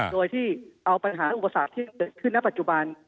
โดยที่เอาปัญหาอุปสรรคที่เกิดขึ้นณปัจจุบัน